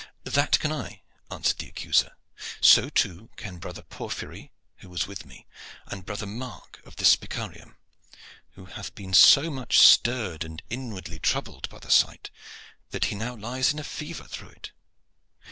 "That can I," answered the accuser. "So too can brother Porphyry, who was with me, and brother Mark of the Spicarium, who hath been so much stirred and inwardly troubled by the sight that he now lies in a fever through it."